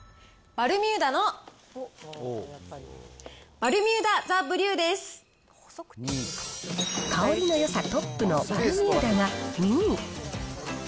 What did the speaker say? バルミューダの、香りのよさトップのバルミューダが２位。